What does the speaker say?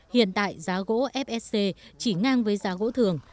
hiện tại giá gỗ fsc chỉ ngang với giá gỗ thường